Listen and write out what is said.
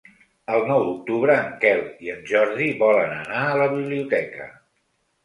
El nou d'octubre en Quel i en Jordi volen anar a la biblioteca.